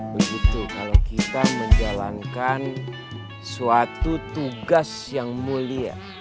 begitu kalau kita menjalankan suatu tugas yang mulia